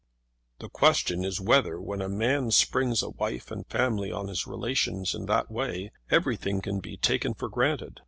"The question is whether when a man springs a wife and family on his relations in that way, everything can be taken for granted.